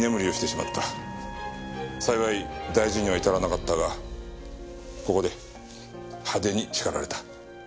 幸い大事には至らなかったがここで派手に叱られた。